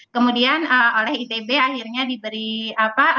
kemudian oleh itb akhirnya diberi apa